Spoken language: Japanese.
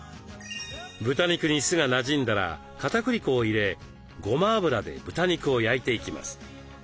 豚肉に酢がなじんだらかたくり粉を入れごま油で豚肉を焼いていきます。